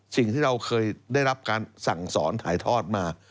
สิ่งที่เราเคยได้รับการสั่งสอนถ่ายทอดมา